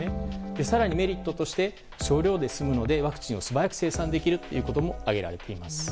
更にメリットとして少量で済むのでワクチンを素早く生産できるということも挙げられています。